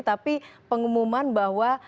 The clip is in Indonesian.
tapi pengumuman bahwa